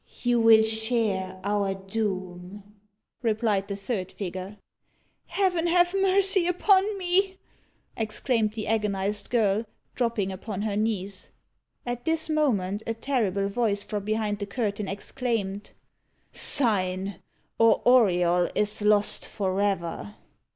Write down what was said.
"You will share our doom," replied the third figure. "Heaven have mercy upon me!" exclaimed the agonised girl, dropping upon her knees. At this moment a terrible voice from behind the curtain exclaimed, "Sign, or Auriol is lost for ever."